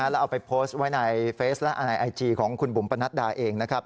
แล้วเอาไปโพสต์ไว้ในเฟซและในไอจีของคุณบุ๋มปนัดดาเองนะครับ